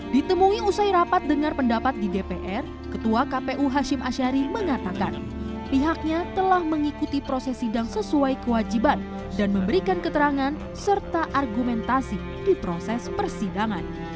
ditemui usai rapat dengar pendapat di dpr ketua kpu hashim ashari mengatakan pihaknya telah mengikuti proses sidang sesuai kewajiban dan memberikan keterangan serta argumentasi di proses persidangan